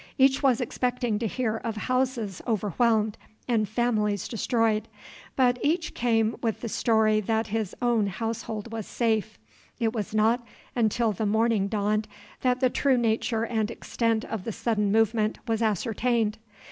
Each was expecting to hear of houses overwhelmed and families destroyed; but each came with the story that his own household was safe. It was not until the morning dawned that the true nature and extent of the sudden movement was ascertained.